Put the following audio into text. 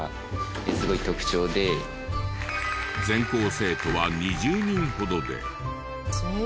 全校生徒は２０人ほどで。